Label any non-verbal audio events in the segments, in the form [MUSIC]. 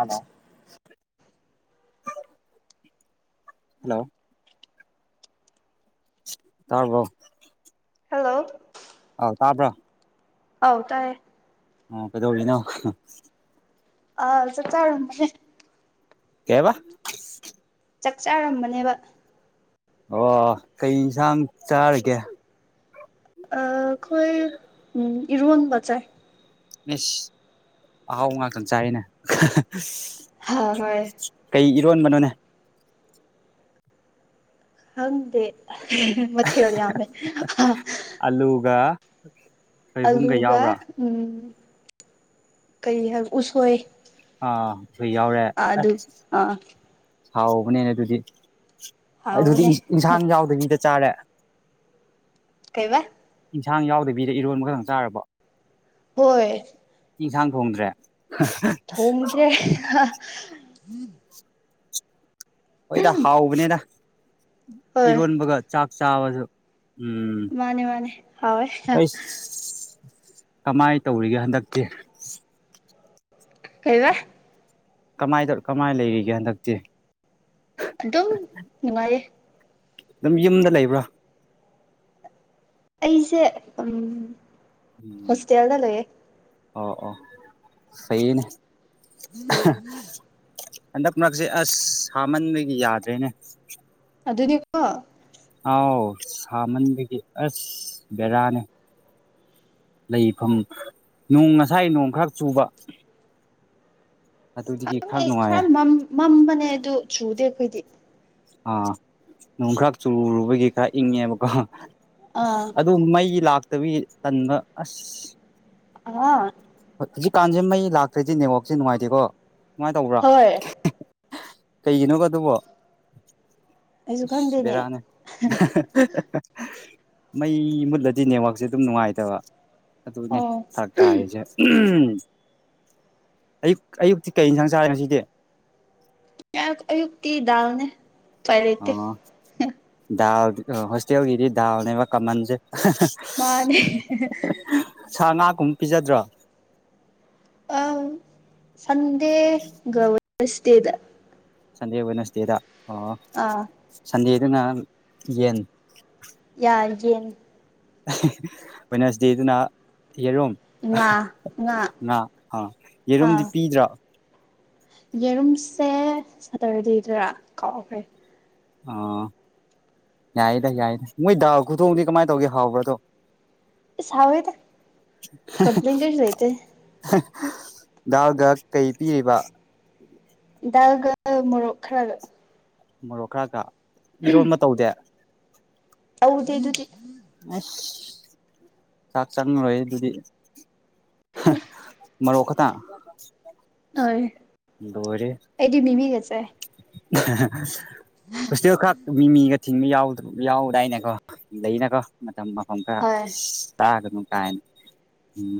ꯑꯗ ꯍꯜꯂꯣ ꯇꯥꯔꯕꯣ ꯍꯜꯂꯣ ꯇꯥꯗ꯭ꯔ ꯍꯥꯎ ꯇꯥꯏꯔꯦ ꯑꯣ ꯀꯩꯗꯧꯂꯤꯅ ꯑꯥ ꯆ ꯆꯥꯔꯅꯦ ꯀꯕ ꯆꯥꯛ ꯆꯔꯝꯕꯅꯦꯕ ꯑꯣ ꯀꯩ ꯌꯦꯟꯁꯥꯡ ꯆꯥꯔꯒꯦ ꯑ ꯈꯣꯏ ꯎ ꯏꯔꯟꯕ ꯆꯥꯏ ꯃꯤꯁ ꯑꯥꯎ ꯉꯒꯟ ꯆꯥꯏꯅ ꯍ ꯍꯣꯏ ꯌꯣꯟꯕꯅꯣꯅꯦ ꯍꯪꯗꯦ ꯃꯊꯦ ꯌꯌꯥꯃꯦ ꯑꯂꯨꯒ ꯁꯣꯏꯕꯨꯝꯒ ꯑꯂꯨꯒ ꯌꯥꯎꯕ꯭ꯔꯥ ꯎꯝ ꯀꯩ ꯍꯥꯏ ꯎꯁꯣꯏ ꯑꯩꯣꯏ ꯌꯥꯎꯔꯦ ꯑꯗꯨ ꯑꯁ ꯑꯥ ꯍꯥꯎꯕꯅꯦꯅ ꯑꯗꯨꯗꯤ ꯑꯗꯨꯗꯤ ꯍꯥꯎꯕꯅꯦ ꯏꯟꯁꯥꯡ ꯌꯥꯎꯗꯕꯤꯗ ꯆꯔ ꯀꯩ ꯋꯥ ꯏꯟꯁꯥꯡ ꯌꯥꯎꯗꯕꯤꯗ ꯏꯔꯣꯟꯕ ꯈꯛꯇꯪ ꯆꯥꯔꯕ ꯍꯣꯏ ꯌꯦꯟꯁꯥꯡ ꯊꯣꯡꯗ꯭ꯔꯦ ꯊꯣꯡꯉꯗ꯭ꯔꯦ ꯍꯣꯏꯗ ꯍꯥꯎꯕꯅꯤꯅ ꯍꯣꯏ ꯏꯔꯣꯟꯕꯒ ꯆꯥꯛ ꯆꯥꯕꯁꯨ ꯎꯝ ꯃꯥꯅꯦ ꯃꯥꯅꯦ ꯍꯋꯦ ꯀꯃꯥꯏꯅ ꯇꯧꯔꯤꯒꯦ ꯍꯟꯗꯛꯇꯤ ꯀꯩꯕ ꯀꯃꯥꯏ ꯀꯃꯥꯏꯅ ꯂꯩꯔꯤꯒꯦ ꯍꯟꯗꯛꯇꯤ ꯑꯗꯨ ꯑꯗꯨꯝ ꯃꯥꯏꯦ ꯑꯗꯨꯝ ꯌꯨꯝꯗ ꯂꯩꯕ꯭ꯔꯥ ꯑꯩꯁꯦ ꯎ ꯎꯝ ꯍꯣꯁꯇꯦꯜꯗ ꯂꯩꯌꯦꯦ ꯑꯣ ꯑꯣ ꯁꯩꯅꯦ ꯎ ꯎ ꯍꯟꯗꯛ ꯃꯔꯛꯁꯦ ꯑꯁ ꯁꯥꯃꯟꯕꯒꯤ ꯌꯥꯗ꯭ꯔꯦꯅꯦ ꯑꯗꯨ ꯑꯗꯨꯗꯤꯀꯣ ꯑꯥꯎ ꯁꯥꯃꯟꯕꯒꯤ ꯑꯁ ꯕꯦꯔꯥꯅꯦ ꯂꯩꯐꯝ ꯅꯣꯡ ꯉꯁꯥꯏ ꯅꯣꯡ ꯈꯔ ꯆꯨꯕ ꯑꯗꯨꯗꯒꯤ ꯈꯪꯉꯦ ꯅꯨꯡꯉꯥꯏꯌꯦ ꯈꯔ ꯃꯝꯕꯅꯦ ꯑꯗꯨ ꯆꯨꯗꯦ ꯑꯩꯈꯣꯏꯗꯤ ꯑꯥ ꯅꯣꯡ ꯈꯔꯥꯛ ꯆꯨꯕꯒꯤꯩꯀꯔ ꯏꯪꯉꯦꯕꯀꯣ ꯑꯁ ꯑꯥ ꯑꯗꯨ ꯃꯩ ꯂꯥꯛꯇꯕꯤ ꯇꯟꯕ ꯑꯁ ꯑꯥ ꯍꯧꯖꯤꯛꯀꯥꯟꯁꯦ ꯃꯩ ꯂꯥꯛꯇ꯭ꯔꯗꯤ ꯅꯦꯠꯋꯥꯛꯁꯦ ꯅꯨꯡꯉꯥꯏꯇꯦꯀꯣ ꯉꯥꯏꯅ ꯇꯧꯕ꯭ꯔꯥ ꯍꯣꯏ ꯀꯩꯒꯤꯅꯣ ꯀ ꯑꯗꯨꯕꯣ ꯑꯩꯁꯨ ꯈꯪꯗꯦꯅꯦ ꯕꯦꯔꯥꯅꯦ ꯃꯩ ꯃꯜꯂꯗꯅꯦꯦ ꯋꯥ ꯁꯦ ꯑꯗꯨꯝ ꯅꯨꯡꯉꯥꯏꯇꯕ ꯑꯗꯨꯅꯦ ꯑꯣ ꯊꯔ ꯇꯥꯔꯤꯁꯦ ꯑꯌꯨꯛ ꯑꯌꯨꯛꯇꯤ ꯀꯩꯅꯤ ꯁꯪ ꯆꯥꯅꯣ ꯁꯤꯗꯤ ꯑꯌꯨꯛꯇꯤ ꯗꯜꯅꯦ ꯄꯥꯏ ꯂꯩꯦꯇ ꯑꯣ ꯗꯥꯜ ꯍꯣꯁꯇꯦꯜꯒꯤꯗꯤ ꯗꯥꯎꯜꯅꯦꯕ ꯀꯃꯟꯁꯦ ꯃꯥꯅꯦ ꯁꯥ ꯉꯥꯒꯨꯝꯕ ꯄꯤꯖꯗ꯭ꯔꯣ ꯑ ꯁꯟꯗꯦ ꯁ ꯗꯦꯗ ꯁꯟꯗꯦ ꯋꯦꯅꯁꯗꯦꯗ ꯑꯣ ꯑꯥ ꯁꯟꯗꯦꯗꯨꯅ ꯌꯦꯟ ꯌꯥ ꯌꯦꯟ ꯋꯦꯅꯔꯁ ꯗꯦꯗꯨꯅ ꯌꯦꯔꯨꯝ ꯉꯥ ꯉꯥ ꯑꯥ ꯌꯦꯔꯨꯝꯗꯤ ꯑꯥ ꯄꯤꯗ꯭ꯔꯥ ꯌꯦꯔꯨꯝꯁꯦ ꯁꯇꯔꯗꯦꯗ ꯀꯥꯎꯈ꯭ꯔꯦ ꯑ ꯌꯥꯏꯌꯦꯗ ꯌꯥꯏꯗ ꯃꯣꯏ ꯗꯥꯎ ꯈꯨꯗꯣꯡꯗꯤ ꯀꯃꯥꯏꯅ ꯇꯧꯒꯦ ꯍꯥꯎꯕꯗꯣ ꯁꯥꯕ ꯇ ꯀꯝꯄ꯭ꯂꯟ ꯀꯩ ꯂꯩꯍꯤꯇ ꯗꯥꯜꯒ ꯀꯩ ꯄꯤꯔꯤꯕ ꯗꯒ ꯃꯣꯔꯣꯛ ꯈꯔꯒ ꯃꯣꯔꯣꯛ ꯈꯔꯒ ꯏꯔꯣꯟꯕ ꯇꯧꯗꯦ ꯇꯣꯊꯩ ꯑ ꯆꯥꯛ ꯆꯥꯛꯅ ꯔꯣꯏ ꯑꯗꯨꯗꯤ ꯃꯔꯣꯇ ꯍꯣꯏ ꯂꯔꯤ ꯑꯩꯗꯤ ꯃꯤꯃꯤꯒ ꯆꯥꯏ ꯄꯨꯁ ꯈꯥꯛ ꯃꯤ ꯃꯤꯒ ꯊꯤꯟꯕ ꯌꯥꯎꯗ ꯌꯥꯎꯗꯥꯏꯅꯦꯀꯣ ꯂꯩꯅꯀꯣ ꯃꯇꯝꯝ ꯑꯍꯨꯝꯒ ꯍꯣꯏ ꯆꯥꯒꯅꯅꯨꯡ ꯀꯥꯏꯅꯤ ꯎꯝ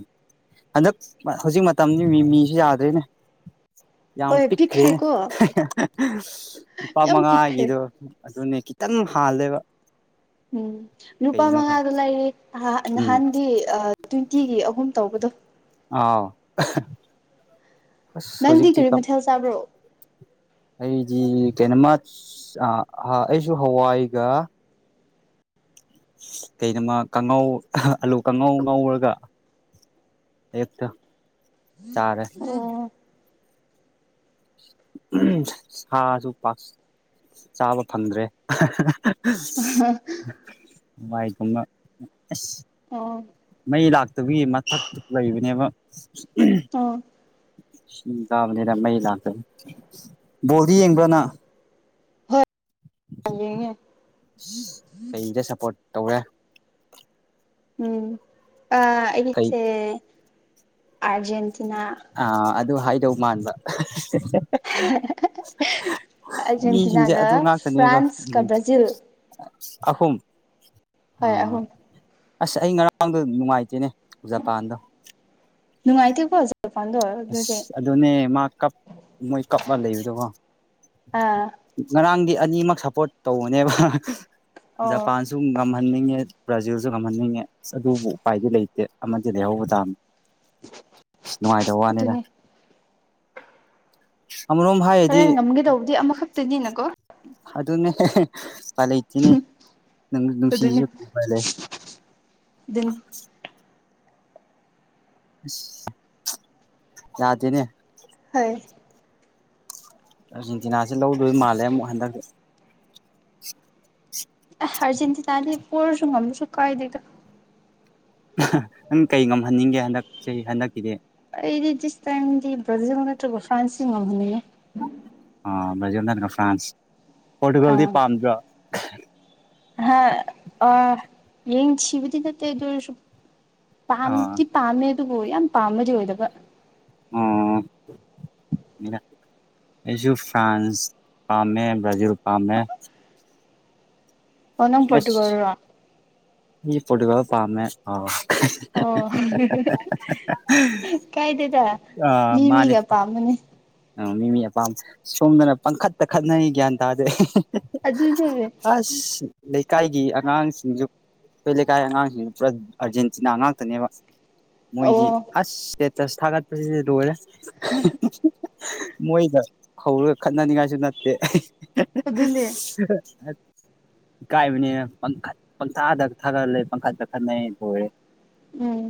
ꯍꯟꯗꯛ ꯍꯧꯖꯤꯛ ꯃꯇꯝꯗꯤ ꯃꯤ ꯃꯤꯁꯨ ꯌꯥꯗ꯭ꯔꯤꯅꯦ ꯌꯥꯝ ꯍꯣꯏ ꯄꯤꯛꯈ꯭ꯔꯦ ꯄꯤꯛꯈ꯭ꯔꯦꯀꯣ ꯂꯨꯄꯥ ꯌꯥꯝ ꯄꯤꯛꯈ꯭ꯔꯦ ꯃꯉꯥꯒꯤꯗꯣ ꯑꯗꯨꯅꯦ ꯈꯤꯇꯪ ꯍꯥꯜꯂꯦꯕ ꯎꯝ ꯂꯨꯄꯥ ꯀꯩꯅꯣ ꯈꯪ ꯃꯉꯥꯗꯣ ꯂꯩꯔꯤ ꯎꯝ ꯅꯍꯥꯟꯗꯤ ꯇ꯭ꯋꯦꯟꯇꯤꯒꯤ ꯑꯍꯨꯝ ꯇꯧꯕꯗꯣ ꯑꯥꯎ ꯑꯁ ꯅꯪꯗꯤ ꯍꯧꯖꯤꯛꯇꯤ ꯀꯔꯤ ꯃꯊꯦꯜ ꯆꯥꯕ꯭ꯔꯣ ꯑꯩꯗꯤ ꯀꯩꯅꯣꯃ ꯑꯩꯁꯨ ꯍꯋꯥꯏꯒ ꯀꯩꯅꯣꯃ ꯀꯉꯥꯎ ꯑꯂꯨ ꯀꯥꯡꯉꯥꯎ ꯉꯧꯔꯒ ꯑꯦ ꯆꯔ ꯑꯣ ꯁꯥꯁꯨ ꯄꯥꯛ ꯆꯥꯕ ꯐꯪꯗ꯭ꯔꯦ ꯋꯥꯏꯒꯨꯝꯕ ꯑꯁ ꯑꯣ ꯃꯩ ꯂꯥꯛꯇꯕꯒꯤ ꯃꯊꯛꯇ ꯂꯩꯕꯅꯦꯕ ꯑꯣ ꯇꯥꯕꯅꯤꯅ ꯃꯩ ꯂꯥꯛꯇꯦ ꯕꯣꯜꯗꯤ ꯌꯦꯡꯕ꯭ꯔꯅ ꯍꯣꯏ ꯌꯦꯡꯉꯦ ꯀꯩꯗ ꯁꯞꯄꯣꯔꯠ ꯇꯧꯔꯦ ꯑ ꯀꯩ ꯑꯩꯒꯤꯁꯦ ꯑꯔꯖꯦꯟ ꯑꯥ ꯑꯗꯨ ꯍꯥꯏꯗꯧ ꯃꯥꯟꯕ ꯃꯤꯁꯤꯡꯁꯦ ꯑꯔꯖꯦꯟꯇꯤꯅꯥꯒ ꯑꯗꯨ ꯉꯥꯛꯇꯅꯦꯕ ꯐ꯭ꯔꯥꯟꯁ ꯎꯝ ꯀ ꯭ꯔꯖꯤꯜ ꯑꯍꯨꯝ ꯑꯥ ꯑꯍꯨꯝ ꯑꯁ ꯑꯩ ꯉꯔꯥꯡꯗ ꯅꯨꯡꯉꯥꯏꯇꯦꯅꯦ ꯖꯄꯥꯟꯗ ꯅꯨꯡꯉꯥꯏꯇꯦꯕꯣ ꯑꯁ ꯑꯗꯨꯅꯦ ꯃꯥ ꯀꯞ ꯃꯣꯏ ꯀꯞ ꯂꯩꯕꯗꯀꯣ ꯑꯥ ꯉꯔꯥꯡꯗꯤ ꯑꯅꯤꯃꯛ ꯁꯞꯄꯣꯔꯠ ꯇꯧꯕꯅꯦꯕ ꯑꯣ ꯖꯄꯥꯟꯁꯨ ꯉꯝꯍꯟꯅꯤꯡꯉꯦ ꯕ꯭ꯔꯥꯖꯤꯜꯁꯨ ꯉꯝꯍꯟꯅꯤꯡꯉꯦ ꯑꯗꯨꯕꯨ ꯎꯄꯥꯏꯗꯤ ꯂꯩꯇꯦ ꯑꯃꯗꯤ ꯂꯩꯍꯧꯕ ꯇꯥꯃꯤ ꯑꯁ ꯅꯨꯡꯉꯥꯏꯇꯕ ꯋꯥꯅꯤꯅ ꯑꯗꯨꯅꯤ [UNINTELLIGIBLE] ꯍꯣꯔꯦꯟ ꯉꯝꯒꯦ ꯇꯧꯕꯗꯤ ꯑꯃꯈꯛꯇꯅꯤꯅꯀꯣ꯫ ꯑꯗꯨꯅꯦ꯫ ꯎꯄꯥꯏ ꯂꯩꯇꯦꯅꯦ ꯅꯪ ꯑꯗꯨꯅꯤ ꯅꯨꯡꯁꯤꯔꯁꯨ ꯀꯔꯤ ꯎꯄꯥꯏ ꯂꯩ꯫ ꯑꯗꯨꯅꯤ ꯌꯥꯗꯦꯅꯦ꯫ ꯍꯣꯏ꯫ ꯑꯥꯔꯖꯦꯟꯇꯤꯅꯥꯁꯤ ꯂꯧꯗꯣꯏ ꯃꯥꯜꯂꯦ ꯑꯃꯨꯛ ꯍꯟꯗꯛꯇꯤ꯫ ꯑꯔꯖꯦꯟꯇꯤꯅꯥꯗꯤ ꯄꯣꯔꯁꯨ ꯉꯝꯁꯨ ꯀꯥꯏꯗꯦꯗ꯫ ꯅꯪ ꯀꯩ ꯉꯝꯍꯟꯅꯤꯡꯒꯦ ꯍꯟꯗꯛ ꯆꯍꯤ ꯍꯟꯗꯛꯀꯤꯗꯤ꯫ ꯑꯩꯗꯤ ꯗꯤꯁ ꯇꯥꯏꯝꯗꯤ ꯕ꯭ꯔꯥꯖꯤꯜ ꯅꯠꯇꯔꯒ ꯐ꯭ꯔꯥꯟꯁ ꯁꯤ ꯉꯝꯍꯟꯅꯤꯡꯉꯤ꯫ ꯑ ꯕ꯭ꯔꯖꯤꯜ ꯅꯠꯇ꯭ꯔ ꯐ꯭ꯔꯥꯟꯁ ꯄꯣꯔꯇꯨꯒꯜꯗꯤ ꯑꯥ ꯄꯥꯝꯗ꯭ꯔꯣ꯫ ꯍꯥ ꯑ ꯌꯦꯡ ꯊꯤꯕꯗꯤ ꯅꯠꯇꯦ ꯑꯗꯨ ꯑꯣꯏꯔꯁꯨ꯫ ꯄꯥꯝ ꯑꯥ ꯄꯥꯝꯃꯦ ꯑꯗꯨꯕꯨ ꯌꯥꯝ ꯄꯥꯝꯝꯕꯗꯤ ꯑꯣꯏꯗꯕ꯫ ꯎꯝ꯫ [UNINTELLIGIBLE] ꯑꯩꯁꯨ ꯐ꯭ꯔꯥꯟꯁ ꯄꯥꯝꯃꯦ ꯕ꯭ꯔꯥꯖꯤꯜ ꯄꯥꯝꯃꯦ꯫ ꯑꯣ ꯅꯪ ꯄꯣꯔꯇꯨꯒꯥꯜꯔꯣ꯫ ꯑꯩꯖꯦ ꯄꯣꯔꯇꯨꯒꯥꯜ ꯄꯥꯥꯝꯃꯦ ꯑꯥ꯫꯫ ꯑꯣ ꯀꯥꯏꯗꯦꯗ [UNINTELLIGIBLE] ꯑ ꯃꯤ ꯃꯥꯅꯤ꯫ ꯃꯤꯒꯤ ꯑꯄꯥꯝꯕꯅꯦ ꯃꯤ ꯃꯤ ꯑꯄꯥꯝꯕ ꯁꯣꯝꯗꯅ ꯄꯪꯈꯠꯇ ꯇ ꯈꯠꯅꯩ ꯒ꯭ꯌꯥꯟ ꯇꯥꯗꯦ꯫ ꯑꯗꯨꯅꯦ ꯑꯁ ꯂꯩ ꯂꯩꯀꯥꯏꯒꯤ ꯑꯉꯥꯡꯁꯤꯡꯁꯨ ꯑꯩꯈꯣꯏ ꯂꯩꯀꯥꯏ ꯑꯉꯥꯡꯁꯤꯡꯁꯨ ꯄꯨꯔꯥ ꯑꯥꯔꯖꯦꯟꯇꯤꯅꯥ ꯉꯥꯛꯇꯅꯦꯕ꯫ ꯑꯣ ꯃꯣꯏꯗꯤ ꯑꯁ ꯏꯁꯇꯦꯇꯁ ꯊꯥꯒꯠꯄꯁꯤꯗꯤ ꯂꯣꯏꯔꯦ꯫ ꯃꯣꯏꯗ ꯍꯧꯔꯒ ꯈꯠꯅꯅꯤꯡꯉꯥꯏꯁꯨ ꯅꯠꯇꯦ꯫ ꯑꯗꯨꯅꯦ ꯏꯀꯥꯏꯕꯅꯤꯅ ꯄꯪꯈꯠ ꯄꯪꯊꯥꯗ ꯊꯥꯗꯍꯥꯜꯂꯦ ꯄꯪꯈꯠ ꯈꯠꯅꯩ ꯂꯣꯏꯔꯦ ꯎꯝ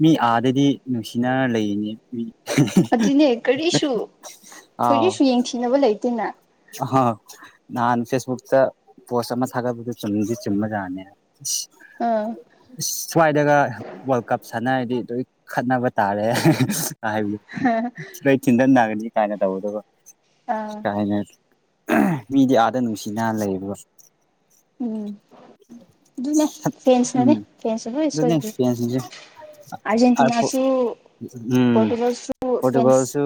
ꯃꯤ ꯑꯥꯗꯗꯤ ꯅꯨꯡꯁꯤꯅꯔ ꯂꯩꯔꯤꯅꯦ ꯃꯤ ꯑꯗꯨꯅꯦ ꯀꯔꯤꯁꯨ ꯑꯥꯎ꯫ ꯀꯔꯤꯁꯨ ꯌꯦꯡꯊꯤꯅꯕ ꯂꯩꯇꯦꯅ ꯑ ꯅꯍꯥꯟ ꯐꯦꯁꯕꯨꯛꯇ ꯄꯣꯁ ꯑꯃ ꯊꯥꯒꯠꯄꯗꯨ ꯆꯨꯝꯗꯤ ꯆꯨꯝꯕ ꯌꯥꯠꯅꯤ꯫ ꯏꯁ ꯑꯥ ꯏꯁ ꯁ꯭ꯋꯥꯏꯗꯒ ꯋꯥꯔꯜ ꯀꯞ ꯁꯥꯟꯅꯔꯗꯤ꯫ ꯂꯣꯏ ꯈꯠꯅꯕ ꯇꯥꯔꯦ ꯍꯥꯏꯕꯗꯣ ꯂꯣꯏ ꯊꯤꯟꯗꯠꯅꯒꯅꯤ ꯀꯥꯏꯅ ꯇꯧꯕꯗꯨꯀꯣ꯫ ꯑꯥ ꯀꯥꯏꯅ ꯃꯤꯗꯤ ꯑꯥꯗ ꯅꯨꯡꯁꯤꯅꯅ ꯂꯩ ꯑꯗꯨꯒ꯫ ꯎꯝ꯫ ꯑꯗꯨꯅꯦ ꯐꯦꯟꯁꯅꯅꯦ ꯐꯦꯟꯁꯅ ꯂꯣꯏ ꯑꯗꯨꯅꯦ ꯁꯣꯏꯕꯅꯦ ꯐꯦꯟ ꯁꯤꯡꯁꯦ꯫ ꯑꯥꯔꯖꯦꯟꯇꯤꯅꯥꯁꯨ ꯎꯝ ꯄꯣꯔꯇꯨꯒꯜꯁꯨ ꯐ꯭ꯔꯦꯟꯁ ꯄꯣꯔꯇꯨꯒꯜꯁꯨ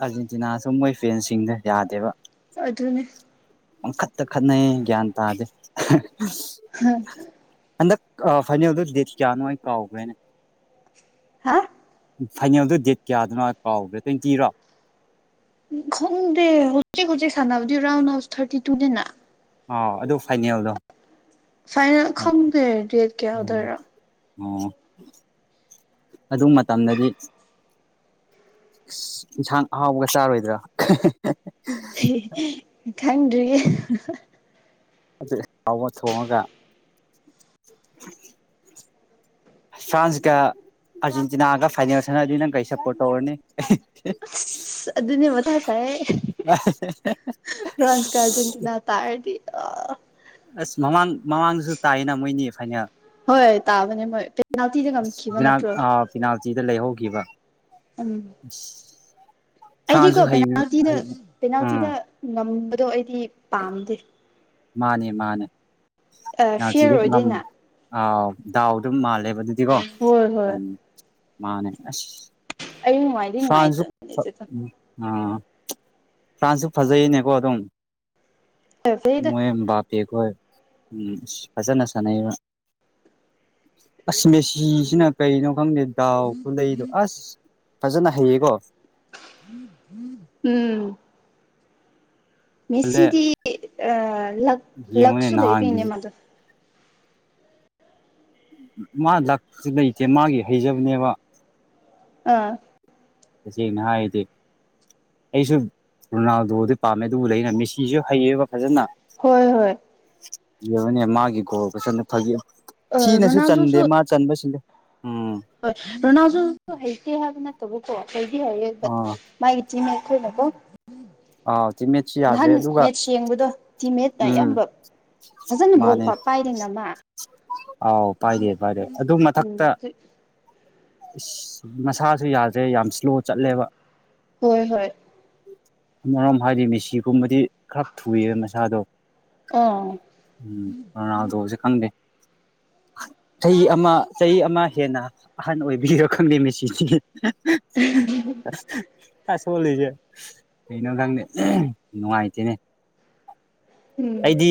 ꯑꯔꯖꯦꯟ ꯇꯤꯟꯅꯁꯨ ꯃꯣꯏ ꯐꯦꯟꯁꯤꯡꯅ ꯌꯥꯗꯦꯕ꯫ ꯑꯗꯨꯅꯦ꯫ ꯄꯪꯈꯠꯇ ꯈꯠꯅꯩꯌꯦ ꯒ꯭ꯌꯥꯟ ꯇꯥꯗꯦ꯫ ꯍꯟꯗꯛ ꯐꯥꯏꯅꯦꯜꯗꯨ ꯗꯦꯠ ꯀꯌꯥꯅꯣ ꯑꯩ ꯀꯥꯎꯈ꯭ꯔꯦꯅꯦ꯫ ꯍꯥ꯫ ꯐꯥꯏꯅꯦꯜꯗꯨ ꯗꯦꯠ ꯀꯌꯥꯗꯅꯣ ꯀꯥꯎꯗ꯭ꯔꯦ ꯇꯣꯋꯦꯟꯇꯤꯔꯣ꯫ ꯈꯪꯗꯦ ꯍꯧꯖꯤꯛ ꯍꯧꯖꯤꯛ ꯁꯥꯟꯅꯕꯗꯤ ꯔꯥꯎꯟ ꯑꯞ ꯊꯥꯔꯇꯤ ꯇꯨꯅꯦꯅ꯫ ꯑ ꯑꯗꯨ ꯐꯥꯏꯅꯦꯜꯗꯣ꯫ ꯐꯥꯏꯅꯦꯜ ꯈꯪꯒꯦ ꯗꯦꯠ ꯀꯌꯥ ꯑꯣꯏꯗꯣꯏꯔ꯫ ꯑꯣ ꯑꯗꯨ ꯃꯇꯝꯗꯗꯤ꯫ ꯏꯁ ꯌꯦꯟꯁꯥꯡ ꯑꯍꯥꯎꯕꯒ ꯆꯥꯔꯣꯏꯗ꯭ꯔꯣ꯫ ꯈꯪꯗ꯭ꯔꯤꯌꯦ꯫ ꯑꯗꯨ ꯆꯥꯎꯑꯣ ꯊꯣꯡꯉꯒ꯫ ꯐ꯭ꯔꯥꯟꯁꯀ ꯑꯥꯔꯖꯦꯟꯇꯤꯅꯥꯒ ꯐꯥꯏꯅꯦꯜ ꯁꯥꯟꯅꯔꯗꯤ ꯅꯪ ꯀꯩ ꯁꯞꯄꯣꯔꯠ ꯇꯧꯔꯅꯤ꯫ ꯑꯗꯨꯅꯦꯕ ꯃꯊꯥꯁꯥꯏꯌꯦ꯫ ꯐ꯭ꯔꯥꯟꯁꯀ ꯑꯔꯖꯦꯟꯇꯤꯅꯒ ꯇꯥꯔꯗꯤ ꯑꯥ꯫ ꯑꯁ ꯃꯃꯥꯡ ꯃꯃꯥꯡꯗꯁꯨ ꯇꯥꯏꯌꯦꯅ ꯃꯣꯏꯅꯤ ꯐꯥꯏꯅꯜ ꯍꯣꯏ ꯇꯥꯕꯅꯦ ꯃꯣꯏ ꯄꯦꯅꯥꯜꯇꯤꯗ ꯉꯝꯈꯤꯕ ꯅꯠꯇ꯭ꯔꯣ ꯄꯤꯅꯥꯜꯇꯤꯗ ꯂꯩꯍꯧꯈꯤꯕ ꯎꯝ ꯎ ꯑꯩꯗꯤꯀꯣ ꯄꯦꯅꯥꯜꯇꯤꯗ ꯎꯝ ꯄꯦꯅꯥꯜꯇꯤꯗ ꯉꯝꯕꯗꯣ ꯑꯩꯗꯤ ꯄꯥꯝꯗꯦ ꯃꯥꯅꯦ ꯃꯥꯅꯦ ꯑ ꯐꯤꯔ ꯄꯦꯅꯥꯜꯇꯤꯗ ꯉꯝ ꯑꯣꯏꯗꯣꯏꯅ ꯑꯥꯎ ꯗꯥꯎꯗꯨꯝ ꯃꯥꯜꯂꯦꯕ ꯑꯗꯨꯗꯤꯀꯣ ꯍꯣꯏ ꯍꯣꯏ ꯎꯝ ꯃꯥꯅꯦ ꯑꯁ ꯑꯩ ꯅꯨꯡꯉꯥꯏꯗꯤ ꯁꯥꯟꯁꯨ ꯅꯨꯡꯉꯥꯏꯇꯕꯅꯦ ꯑ ꯐ꯭ꯔꯥꯟꯁꯁꯨ ꯐꯖꯩꯅꯦꯀꯣ ꯑꯗꯨꯝ ꯑꯗꯨꯗꯣ ꯐꯩꯗ ꯃꯣꯏꯕꯥꯄꯤ ꯑꯩꯈꯣꯏ ꯐꯖꯅ ꯁꯥꯟꯅꯩ ꯑꯃꯦꯦꯁꯤꯖꯤꯅ ꯀꯅ ꯃꯐꯝꯅꯤ ꯗꯥꯎ ꯈꯨꯨꯂꯩꯗꯣ ꯑꯁ ꯐꯖꯅ ꯍꯩꯌꯦꯀꯣ ꯎꯝ ꯈꯜꯂꯦ ꯃꯤꯦꯁꯤꯗꯤ ꯑ ꯌꯦꯡꯉꯨꯅꯦ ꯂꯛꯁꯨ ꯂꯩ ꯄꯅꯦ ꯅꯍꯥꯟꯒꯤꯁꯤ ꯃꯗꯨ ꯃꯥ ꯂꯥꯛꯄꯁꯨ ꯂꯩꯇꯦ ꯃꯥꯒꯤ ꯍꯩꯖꯕꯅꯦꯕ ꯑ ꯇꯁꯦꯡꯅ ꯍꯥꯏꯗꯤ ꯑꯩꯁꯨ ꯔꯣꯅꯥꯜꯗꯣꯗꯤ ꯄꯥꯝꯃꯦ ꯑꯗꯨꯕꯨ ꯂꯩꯅ ꯃꯤꯦꯁꯤꯁꯨ ꯍꯩꯌꯦꯕ ꯐꯖꯅ ꯍꯣꯏ ꯍꯣꯏ ꯏꯕꯅꯦ ꯃꯥꯒꯤ ꯒꯣꯜ ꯐꯖꯅ ꯐꯥꯒ ꯑꯥ ꯁꯤꯤꯅꯁꯨ ꯔꯣꯅꯥꯜꯗꯣꯁꯨ ꯆꯟꯗꯦ ꯃꯥ ꯆꯟꯕꯁꯤꯡꯁꯦ ꯍꯣꯏ ꯔꯣꯅꯥꯜꯖꯣꯁꯨ ꯍꯩꯇꯦ ꯍꯥꯏꯕ ꯅꯠꯇꯕꯀꯣ ꯍꯩꯗꯤ ꯍꯥꯏꯔꯦ ꯕꯠ ꯑꯥ ꯃꯥꯒꯤ ꯆꯤꯃꯦ ꯈꯣꯏꯅꯀꯣ ꯑꯥꯎ ꯇꯤꯝꯃꯦꯠꯁꯨ ꯌꯥꯗ꯭ꯔꯦ ꯅꯍꯥꯟ ꯑꯗꯨꯒ ꯃꯦꯠꯁ ꯌꯦꯡꯕꯗꯣ ꯇꯤꯝꯃꯦꯦꯠꯅ ꯎꯝ ꯑꯌꯥꯝꯕ ꯐꯖꯅ ꯕꯣ ꯃꯥꯅꯦ ꯄꯥꯏꯔꯤ ꯅꯃ ꯑꯥꯎ ꯄꯥꯏꯔꯦ ꯄꯥꯏꯔꯦ ꯑꯗꯨ ꯃꯊꯛꯇ ꯎꯝ ꯏꯁ ꯃꯁꯥꯁꯨ ꯌꯥꯗ꯭ꯔꯦ ꯌꯥꯝ ꯏꯁ꯭ꯂꯣ ꯆꯠꯂꯦꯕ ꯍꯣꯏ ꯍꯣꯏ ꯑꯃꯔꯣꯝ ꯍꯥꯏꯗꯤ ꯃꯦꯁꯤꯒꯨꯝꯕꯗꯤ ꯈꯔ ꯊꯨꯏ ꯃꯁꯥꯗꯣ ꯑꯥ ꯎꯝ ꯔꯣꯅꯥꯜꯗꯣꯁꯦ ꯈꯪꯗꯦ ꯆꯍꯤ ꯑꯃ ꯆꯍꯤ ꯑꯃ ꯍꯦꯟꯅ ꯑꯍꯟ ꯑꯣꯏꯕꯤꯔꯣ ꯈꯪꯗꯦ ꯃꯦꯆꯤꯟꯁꯤ [UNINTELLIGIBLE] ꯈꯔ ꯁꯣꯜꯂꯤꯁꯦ ꯀꯩꯅꯣ ꯈꯪꯗꯦ ꯅꯨꯡꯉꯥꯏꯇꯦꯅꯦ ꯎꯝ ꯑꯩꯗꯤ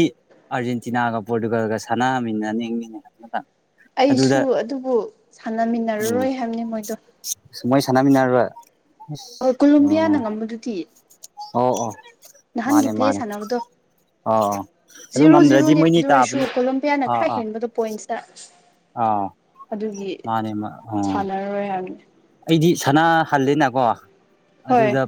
ꯑꯥꯔꯖꯦꯟꯇꯤꯅꯥꯒ ꯄꯣꯔꯇꯨꯒꯜꯒ ꯁꯥꯟꯅꯔꯃꯤꯅ ꯅꯃꯤꯅꯦꯇ ꯑꯩꯁꯨ ꯑꯗꯨꯕꯨ ꯎꯝ ꯁꯥꯟꯅꯃꯤꯟꯅꯔꯔꯣꯏ ꯍꯥꯏꯕꯅꯤ ꯃꯣꯏꯗꯣ ꯃꯣꯏ ꯁꯥꯟꯃꯤꯅ ꯔ ꯍꯣꯏ ꯀꯣꯂꯣꯕꯤꯌꯥꯅ ꯉꯝꯕꯗꯨꯗꯤ ꯑꯣ ꯑꯣ ꯅꯍꯥꯟꯒꯤ ꯃꯥꯅꯦ ꯄ꯭ꯂꯦ ꯃꯥꯅꯦ ꯁꯥꯟꯅꯅꯕꯗꯣ ꯑꯥ ꯑꯥ ꯑꯗꯨ ꯖꯤꯔꯣ ꯉꯝꯗ꯭ꯔꯗꯤ ꯖꯤꯔꯣꯅꯦ ꯃꯣꯏꯅꯤ ꯑꯗꯨ ꯑꯣꯏꯔꯁꯨ ꯇꯥꯕꯅꯤ ꯀꯣꯂꯝꯣꯄꯤꯌꯥꯅ ꯑꯥ ꯈꯔ ꯑꯥ ꯍꯦꯟꯕꯗꯣ ꯄꯣꯏꯟꯁꯇ ꯑꯥ ꯑꯗꯨꯒꯤ ꯃꯥꯅꯦ ꯑꯥ ꯁꯥꯟꯅꯔꯔꯣꯏ ꯍꯥꯏꯕꯅꯤ ꯑꯩꯗꯤ ꯁꯅꯥ ꯍꯜꯂꯤꯦꯅꯀꯣ ꯍꯣꯏ ꯑꯗꯨꯗ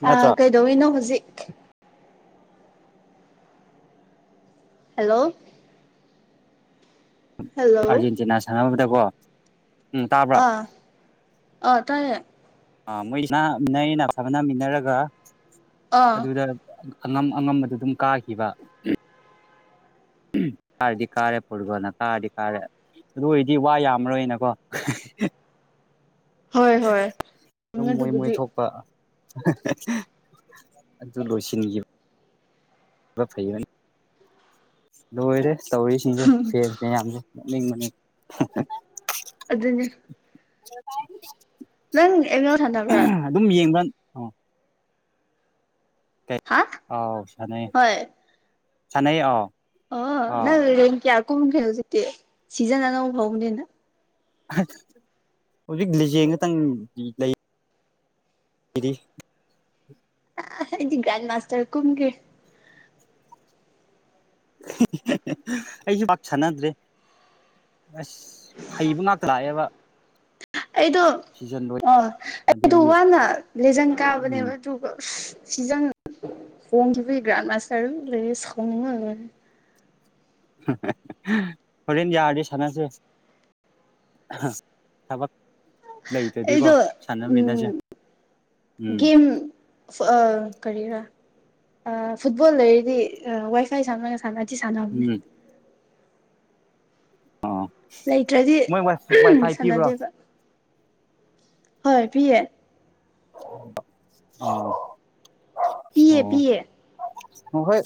ꯑ ꯅꯠꯇ꯭ꯔꯣ ꯀꯩꯗꯣꯋꯅꯣ ꯍꯧꯖꯤꯛ ꯍꯜꯂꯣ ꯍꯜꯂꯣ ꯑꯥꯔꯖꯦꯟꯇꯤꯅꯥ ꯁꯥꯟꯅꯕꯗꯀꯣ ꯎꯝ ꯇꯥꯕ꯭ꯔꯥ ꯑ ꯑ ꯇꯥꯏ ꯑ ꯃꯣꯏ ꯃꯤꯟꯅꯩꯅ ꯐꯕꯅꯃꯤꯟꯅꯔꯒ ꯑꯥ ꯑꯗꯨꯗ ꯑꯉꯝ ꯑꯉꯝꯕꯗ ꯑꯗꯨꯝ ꯀꯥꯈꯤꯕ ꯎꯝ ꯀꯥꯔꯗꯤ ꯀꯥꯔꯦ ꯐꯨꯠꯕꯣꯜꯅ ꯀꯥꯔꯗꯤ ꯀꯥꯔꯦ ꯑꯗꯨ ꯑꯣꯏꯔꯗꯤ ꯋꯥ ꯌꯥꯝꯃꯔꯣꯏꯅꯀꯣ ꯍꯣꯏ ꯍꯣꯏ ꯁꯨꯝ ꯃꯣꯏ ꯃꯣꯏ ꯑꯗꯨꯕꯨꯗꯤ ꯊꯣꯛꯄ ꯑꯗꯨ ꯂꯣꯏꯁꯤꯟꯈꯤꯕ ꯐꯩꯕꯅꯤ ꯂꯣꯏꯔꯦ ꯇꯧꯔꯤꯁꯤꯡꯁꯦ ꯁꯦꯁꯅꯦꯦꯌꯥꯝꯁꯦ ꯂꯩ ꯃꯅꯤ ꯑꯗꯨꯗꯅꯦ ꯍꯂꯣ ꯀꯥꯏ ꯅꯪ ꯑꯦꯅꯤ ꯊꯥꯟꯗꯕ꯭ꯔ ꯎꯝ ꯍꯥ ꯑꯥꯎ ꯁ ꯁꯅ ꯑꯥꯎ ꯑ ꯑꯥꯎ ꯅꯪ ꯀꯌꯥ ꯀꯣ ꯈꯖꯤ ꯁꯤꯖꯟ ꯑꯅ ꯐꯥꯎꯗꯅ ꯍꯧꯖꯤꯛ ꯂꯤꯖꯦꯜ ꯈꯇꯪ ꯂꯩ ꯀꯗꯤ ꯗꯤ ꯒ꯭ꯔꯥꯟ ꯃꯥꯥꯁꯇꯔ ꯀꯨꯝꯒꯦ ꯑꯩꯁꯨ ꯄꯥꯛ ꯆꯅꯗ꯭ꯔꯔꯤ ꯑꯁ ꯍꯩꯕ ꯉꯥꯛꯇ ꯂꯥꯛꯑꯦꯕ ꯑꯩꯗꯣ ꯁꯤꯖꯟ ꯂꯣꯏ ꯑ ꯑꯩꯗꯣ ꯑꯗꯨꯒꯤ ꯋꯥꯅ ꯂꯦꯖꯟ ꯎꯝ ꯀꯥꯕꯅꯦꯕ ꯑꯗꯨꯒ ꯁꯤꯖꯪ ꯍꯣꯡꯈꯤ ꯒ꯭ꯔꯥꯟ ꯃꯥꯁꯇꯔ ꯎ ꯂꯩ ꯁꯣꯡꯅ ꯍꯣꯔꯦꯟ ꯌꯥꯔꯗꯤ ꯁꯥꯟꯅꯁꯦ ꯊꯕꯛ ꯑꯩꯗꯣ ꯂꯩꯇꯗꯤꯀꯣ ꯁꯥꯟꯅꯃꯤꯟꯅꯁꯦ ꯎꯝ ꯎꯝ ꯒꯦꯝ ꯑ ꯀꯔꯤꯔ ꯐꯨꯠꯕꯣꯜ ꯂꯩꯔꯗꯤ ꯋꯥꯏ ꯐꯥꯏ ꯁꯝꯅꯒ ꯁꯥꯟꯅ ꯆꯤ ꯁꯥꯟꯅꯕꯅꯦ ꯎꯝ ꯑꯥ ꯂꯩꯇ꯭ꯔꯗꯤ ꯃꯣꯏ ꯋꯥꯏꯐꯥꯏ ꯄꯤꯕ꯭ꯔꯣ ꯁꯥꯟꯅꯗꯦꯕ ꯍꯣꯏ ꯐꯤ ꯑꯥ ꯄꯤꯌꯦ ꯄꯤꯌꯦ ꯍ ꯍꯣꯏ